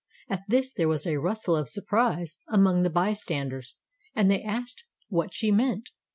At this there was a rustle of surprise among the bystanders and they asked what she meant.